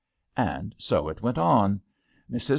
And so it went on. Mrs.